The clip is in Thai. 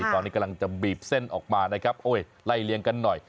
ตอนนี้กำลังจะบีบเส้นออกมานะครับโอ้ยไล่เลี้ยงกันหน่อย